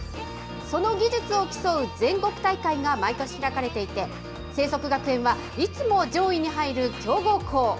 その技術を競う全国大会が毎年開かれていて、正則学園はいつも上位に入る強豪校。